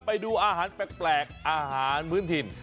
ไปดูอาหารแปลกอาหารพื้นถิ่น